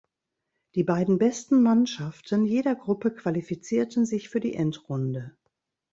Die beiden besten Mannschaften jeder Gruppe qualifizierten sich für die Endrunde.